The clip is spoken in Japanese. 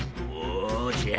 おじゃ。